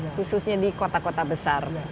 khususnya di kota kota besar